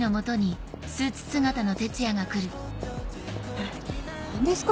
えっ何ですか？